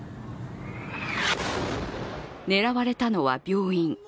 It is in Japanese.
狙われたのは病院。